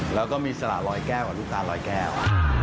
แล้วก็มีสละรอยแก้วกับลูกตาลรอยแก้ว